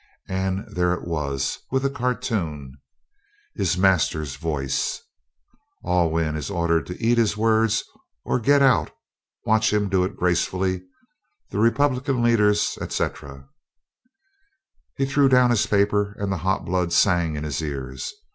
And there it was, with a cartoon: HIS MASTER'S VOICE Alwyn is Ordered to Eat His Words or Get Out Watch Him Do It Gracefully The Republican Leaders, etc. He threw down his paper, and the hot blood sang in his ears.